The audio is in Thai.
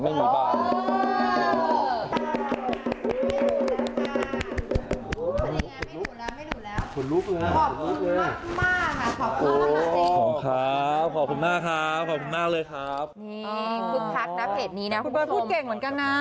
นี่ขอบคุณคึกคึกคักนะเพจนี้นะคุณเบิร์ตพูดเก่งเหมือนกันนะ